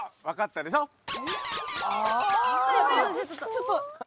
ちょっと。